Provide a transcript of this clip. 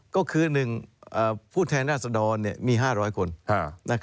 ก็คือนึงผู้แทนราษมศาลมี๕๐๐คน